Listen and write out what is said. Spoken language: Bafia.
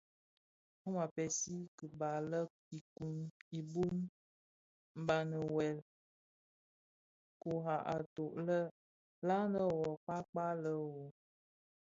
Mum a pèzi kiba le kibuň mdhami wuèl kurak atōg lè la nne wuo kpakpa lè u.